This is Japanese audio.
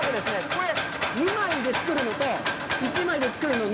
これ、２枚で作るのと１枚でつくるのと、